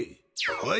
はい。